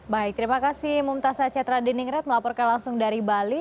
baik terima kasih mumtaz sacetra diningret melaporkan langsung dari bali